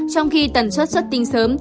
trong khi tần xuất xuất tinh sớm